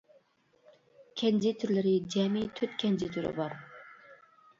كەنجى تۈرلىرى جەمئىي تۆت كەنجى تۈرى بار.